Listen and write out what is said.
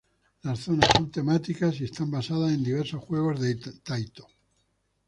Las zonas son temáticas y están basadas en diversos juegos de Taito.